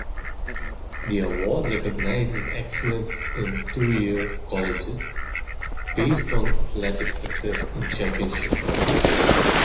The award recognizes excellence in two-year colleges, based on athletic success in championship competition.